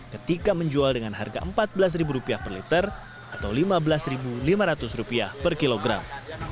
ketika menjual dengan harga rp empat belas per liter atau rp lima belas lima ratus per kilogram